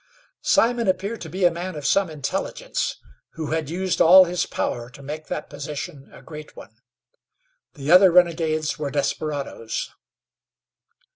Simon appeared to be a man of some intelligence, who had used all his power to make that position a great one. The other renegades were desperadoes.